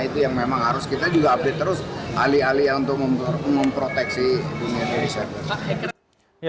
itu yang memang harus kita juga update terus alih alih untuk memproteksi dunia indonesia